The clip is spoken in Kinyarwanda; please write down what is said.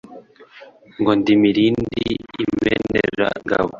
Ngo ndi Milindi imenera ingabo